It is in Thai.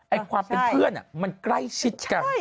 ความเป็นเพื่อนมันใกล้ชิดกัน